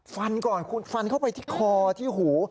ฟันก่อนคุณฟันเข้าไปที่คอที่หู